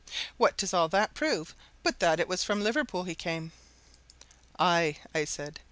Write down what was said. What does all that prove but that it was from Liverpool he came?" "Aye!" I said.